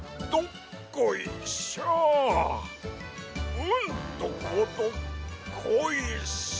うんとこどっこいシャ！